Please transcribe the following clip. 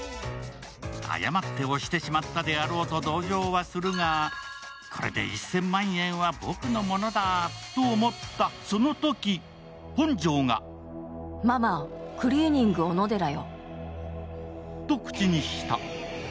誤って押してしまったであろうと同情はするがこれで１０００万円は僕のものだと思った、そのとき本庄がと口にした。